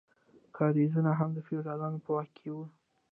کاریزونه هم د فیوډالانو په واک کې وو.